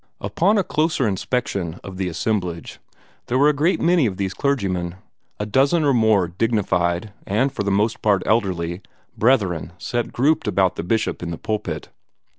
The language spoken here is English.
Upon a closer inspection of the assemblage, there were a great many of these clergymen. A dozen or more dignified, and for the most part elderly, brethren sat grouped about the Bishop in the pulpit.